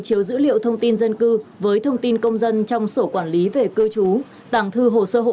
chiếu dữ liệu thông tin dân cư với thông tin công dân trong sổ quản lý về cư trú tàng thư hồ sơ hộ